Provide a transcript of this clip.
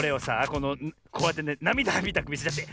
このこうやってねなみだみたくみせちゃって。